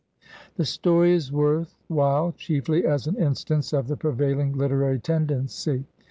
RADCLIFFE The story is worth while chiefly as an instance of the prevailing literary tendency.